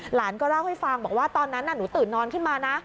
หลานก็เล่าให้ฟังบอกว่าตอนนั้นหนูตื่นนอนขึ้นมานะ